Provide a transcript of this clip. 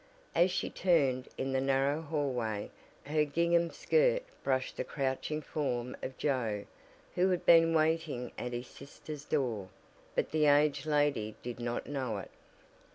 As she turned in the narrow hallway her gingham skirt brushed the crouching form of Joe, who had been waiting at his sister's door, but the aged lady did not know it.